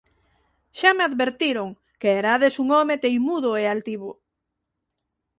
Xa me advertiron que erades un home teimudo e altivo...